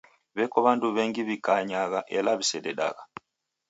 W'eko w'andu w'engi w'ikanyagha ela w'isededagha.